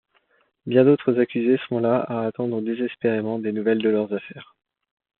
Bien d'autres accusés sont là à attendre désespérément des nouvelles de leurs affaires.